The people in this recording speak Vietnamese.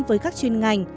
với các chuyên ngành